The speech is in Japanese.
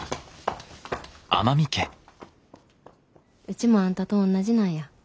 うちもあんたとおんなじなんや。